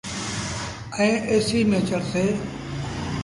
ائيٚݩ ايسيٚ ميݩ چڙسي۔